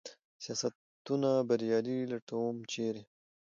سیاستونه بریالي لټوم ، چېرې ؟